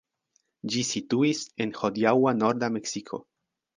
Ĝi situis en hodiaŭa norda Meksiko.